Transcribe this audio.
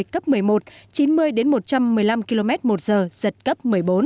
cấp một mươi một chín mươi một trăm một mươi năm km một giờ giật cấp một mươi bốn